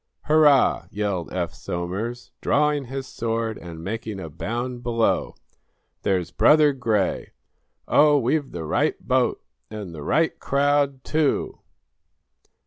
"Hurrah!" yelled Eph Somers, drawing his sword and making a bound below "There's Brother Gray. Oh, we've the right boat and the right crowd, too!"